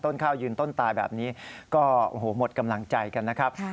ข้าวยืนต้นตายแบบนี้ก็โอ้โหหมดกำลังใจกันนะครับ